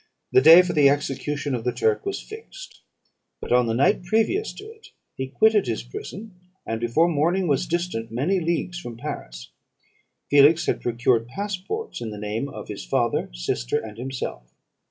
"The day for the execution of the Turk was fixed; but, on the night previous to it, he quitted his prison, and before morning was distant many leagues from Paris. Felix had procured passports in the name of his father, sister, and himself.